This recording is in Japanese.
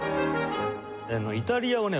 イタリアはね